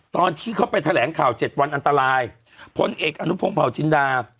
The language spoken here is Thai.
ตอนที่เค้าไปแถลงข่าวเจ็ดวันอันตรายพนท์เอกอสุพงศ์เผาชินดา